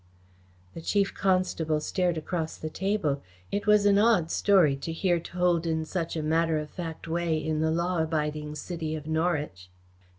The Chief Constable stared across the table. It was an odd story to hear told in such a matter of fact way in the law abiding city of Norwich.